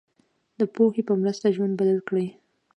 د پوهې په مرسته ژوند بدل کړئ.